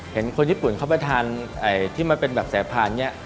เห็นคนญี่ปุ่นเขาไปทานที่มันเป็นแบบสายพานนี้